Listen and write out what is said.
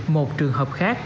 một trường hợp khác